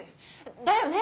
だよね？